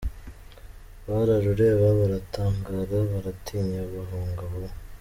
Bararureba baratangara, Baratinya bahunga vuba.